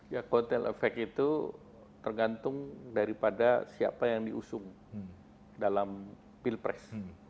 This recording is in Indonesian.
ya kotel efek itu tergantung daripada siapa yang diusung dalam pilpres